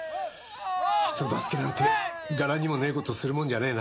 人助けなんて柄にもねえ事するもんじゃねえな。